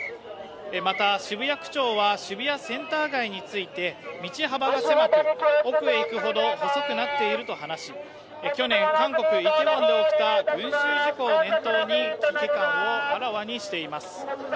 また、渋谷区長は渋谷センター街について道幅が狭く、奥へ行くほど細くなっていると話し、去年、韓国イテウォンで起きた群集事故を念頭に危機感をあらわにしています。